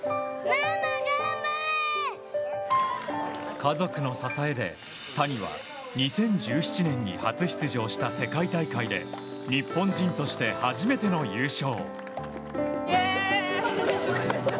家族の支えで、谷は２０１７年に初出場した世界大会で日本人として初めての優勝。